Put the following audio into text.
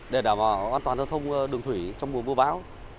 để đảm bảo an toàn giao thông đường thủy trong mùa mưa bão